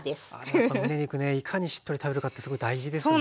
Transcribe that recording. やっぱむね肉ねいかにしっとり食べるかってすごい大事ですもんね。